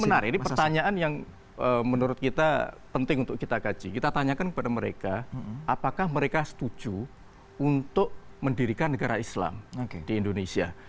benar ini pertanyaan yang menurut kita penting untuk kita kaji kita tanyakan kepada mereka apakah mereka setuju untuk mendirikan negara islam di indonesia